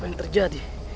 apa yang terjadi